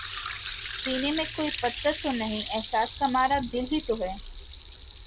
سینے میں کوئی پتھر تو نہیں احساس کا مارا، دل ہی تو ہے